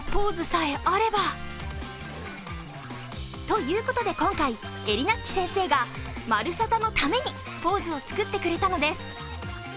ということで、今回、えりなっち先生が「まるサタ」のためにポーズを作ってくれたのです。